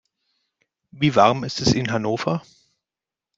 Wie warm ist es in Hannover?